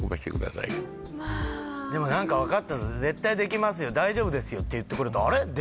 でもなんか分かった絶対できますよ大丈夫ですよって言ってくれるとあれ？